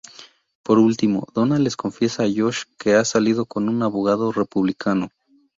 Por último, Donna le confiesa a Josh que ha salido con un abogado republicano.